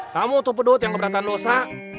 kamu tuh pedut yang keberatan dosa